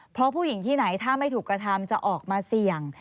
เพราะผู้หญิงที่ไหนถ้าไม่ถูกกระทำจะออกมาเสี่ยง